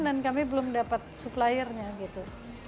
dan kami belum dapat supplier'nya gitu